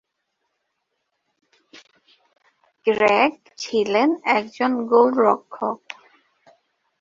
Greg ছিলেন একজন গোলরক্ষক।